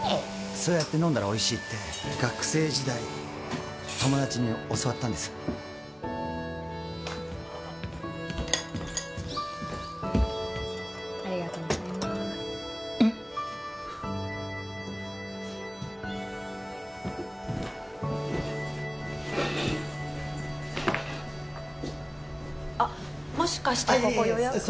そうやって飲んだらおいしいって学生時代友達に教わったんですありがとうございますあッもしかしてここ予約いえいえ